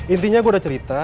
intinya gue udah cerita